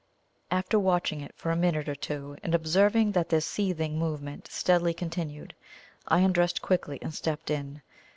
After watching it for a minute or two, and observing that this seething movement steadily continued, I undressed quickly and stepped in.